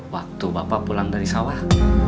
waktu bapak pulang dari sawah